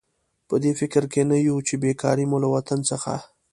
په دې فکر کې نه یو چې بېکاري مو له وطن څخه.